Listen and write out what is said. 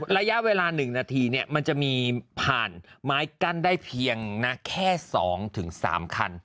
ระยะเวลาหนึ่งนาทีเนี่ยมันจะมีผ่านไม้กั้นได้เพียงนะแค่สองถึงสามคัน